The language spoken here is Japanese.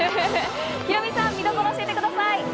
ヒロミさん、見どころ教えてください。